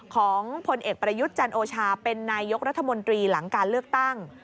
ของพลเอกประยุทธ์จันโอชาเป็นนายกรัฐมนตรีหลังการเลือกตั้ง